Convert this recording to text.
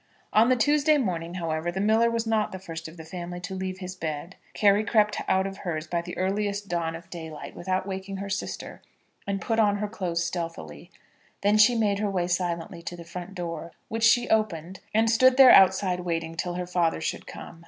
On the Tuesday morning, however, the miller was not the first of the family to leave his bed. Carry crept out of hers by the earliest dawn of daylight, without waking her sister, and put on her clothes stealthily. Then she made her way silently to the front door, which she opened, and stood there outside waiting till her father should come.